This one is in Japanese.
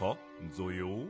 ぞよ。